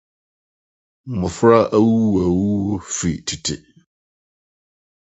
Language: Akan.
Mmofra Awuwuawuwu Fi Teteete